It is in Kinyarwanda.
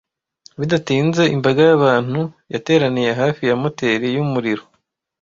Bidatinze imbaga y'abantu yateraniye hafi ya moteri yumuriro.